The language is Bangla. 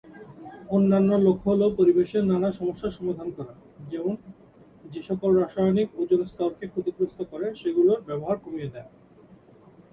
অন্যান্য লক্ষ্য হলো পরিবেশের নানা সমস্যা সমাধান করা, যেমন যেসকল রাসায়নিক ওজোন স্তরকে ক্ষতিগ্রস্ত করে সেগুলোর ব্যবহার কমিয়ে দেয়া।